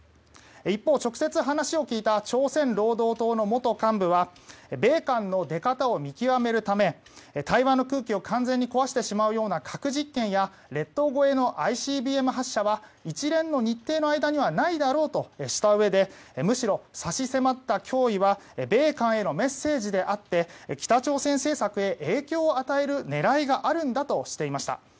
一方、直接話を聞いた朝鮮労働党の元幹部は米韓の出方を見極めるため対話の空気を完全に壊してしまうような核実験や列島越えのＩＣＢＭ発射は一連の日程の間にはないだろうとしたうえでむしろ差し迫った脅威は米韓へのメッセージであって北朝鮮政策へ影響を与える狙いがあるんだとしていました。